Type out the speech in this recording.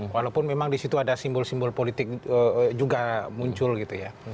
walaupun memang di situ ada simbol simbol politik juga muncul gitu ya